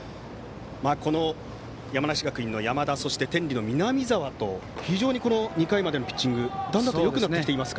この山梨学院の山田そして、天理の南澤と非常に２回までのピッチングだんだんとよくなってきています。